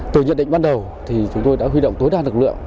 từ nhận định ban đầu thì chúng tôi đã huy động tối đa lực lượng